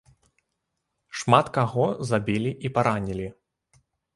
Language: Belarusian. Шмат каго забілі і паранілі.